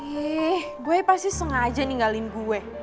yeeh boy pasti sengaja ninggalin gue